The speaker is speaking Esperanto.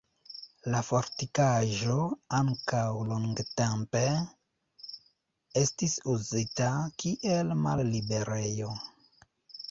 La fortikaĵo ankaŭ longtempe estis uzita kiel malliberejo.